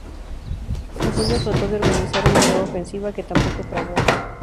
En junio trató de organizar una nueva ofensiva, que tampoco fraguó.